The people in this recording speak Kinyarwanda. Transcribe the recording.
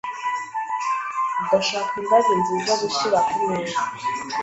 Ndashaka indabyo nziza gushira kumeza.